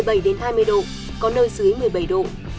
nhiệt độ cao nhất từ một mươi bảy đến hai mươi độ có nơi dưới một mươi bảy độ